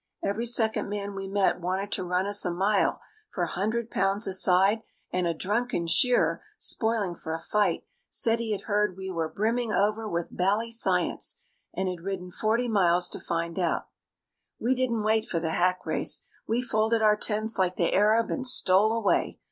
Every second man we met wanted to run us a mile for 100 pounds a side; and a drunken shearer, spoiling for a fight, said he had heard we were "brimming over with bally science", and had ridden forty miles to find out. We didn't wait for the hack race. We folded our tents like the Arab and stole away.